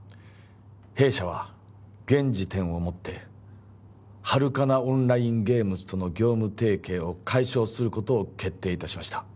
弊社は現時点をもってハルカナ・オンライン・ゲームズとの業務提携を解消することを決定いたしました